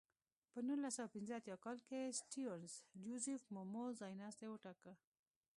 په نولس سوه پنځه اتیا کال کې سټیونز جوزیف مومو ځایناستی وټاکه.